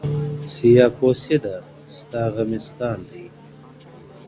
سیاه پوسي ده، ستا غمِستان دی,